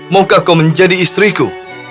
maukah kau menjadi istriku